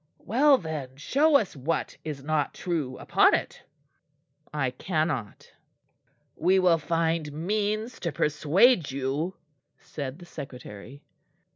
"Well, then, show us what is not true upon it." "I cannot." "We will find means to persuade you," said the Secretary.